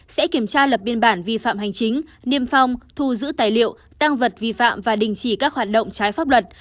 sẽ kiểm tra lập biên bản vi phạm hành chính niêm phong thu giữ tài liệu tăng vật vi phạm và đình chỉ các hoạt động trái pháp luật